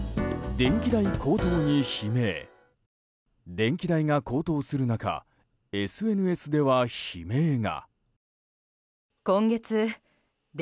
電気代が高騰する中ＳＮＳでは悲鳴が。